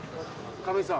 亀井さん。